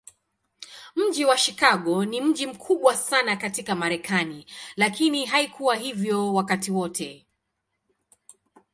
Mji wa Chicago ni mji mkubwa sana katika Marekani, lakini haikuwa hivyo wakati wote.